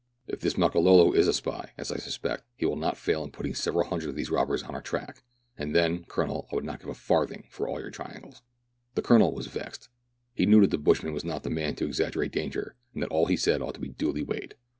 If this Makololo is a spy, as I suspect, he will not fail in putting several hundred of these robbers on our track, and then, Colonel, I would not give a farthing for all your triangles." The Colonel was vexed. He knew that the bushman was not the man to exaggerate danger, and that all he said ought to be duly weighed.